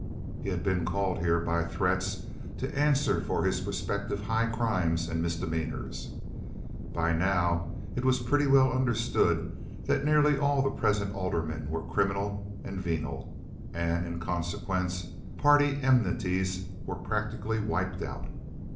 He had been called here by threats to answer for his prospective high crimes and misdemeanors. By now it was pretty well understood that nearly all the present aldermen were criminal and venal, and in consequence party enmities were practically wiped out.